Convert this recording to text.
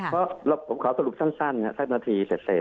เพราะผมขอสรุปสั้นนาทีเสร็จ